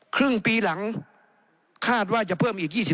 ครึ่งปีหลังคาดว่าจะเพิ่มอีก๒๕